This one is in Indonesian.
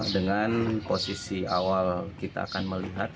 dengan posisi awal kita akan melihat